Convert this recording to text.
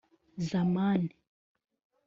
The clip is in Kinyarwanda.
Zamani